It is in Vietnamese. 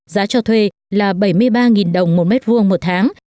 giá cho thuê là bảy mươi ba đồng một mét vuông một tháng